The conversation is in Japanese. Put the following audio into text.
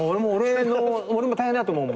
俺も大変だと思うもん。